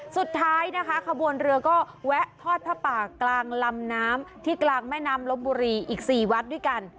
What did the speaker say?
สุดท้ายนะคะขบวนเรือก็แวะทอดผ้าป่ากลางลำน้ำที่กลางแม่น้ำลบบุรีอีก๔วัดด้วยกัน